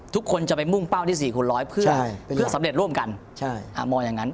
ทุกคนจะไปมุ่งเป้าที่๔คุณ๑๐๐เพื่อสำเร็จร่วมกัน